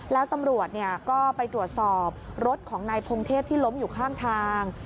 แล้วตำรวจก็ไปตรวจสอบรถของนายพงเทพที่ล้มอยู่ข้างทาง